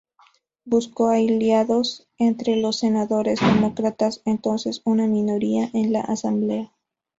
Buscó aliados entre los senadores demócratas, entonces una minoría en la asamblea.